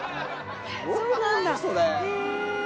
そうなんだへぇ。